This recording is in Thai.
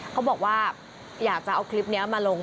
เขาบอกว่าอยากจะเอาคลิปนี้มาลง